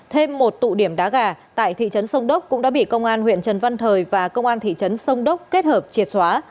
thêm một tụ điểm đá gà tại thị trấn sông đốc cũng đã bị công an huyện trần văn thời và công an thị trấn sông đốc kết hợp triệt xóa